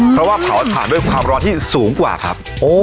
เพราะว่าเผาถ่านด้วยความร้อนที่สูงกว่าครับ